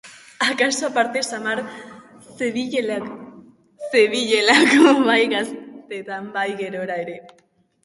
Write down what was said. Akaso aparte samar zebilelako, bai gaztetan bai gerora ere.